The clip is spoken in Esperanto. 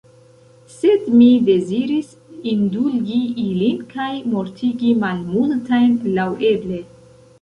Sed mi deziris indulgi ilin, kaj mortigi malmultajn laŭeble.